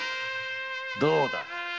どうだ。